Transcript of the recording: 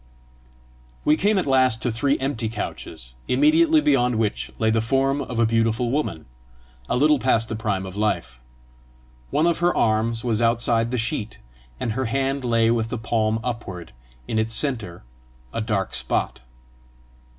We came at last to three empty couches, immediately beyond which lay the form of a beautiful woman, a little past the prime of life. One of her arms was outside the sheet, and her hand lay with the palm upward, in its centre a dark spot.